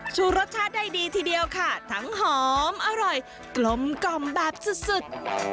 ชูรสชาติได้ดีทีเดียวค่ะทั้งหอมอร่อยกลมกล่อมแบบสุด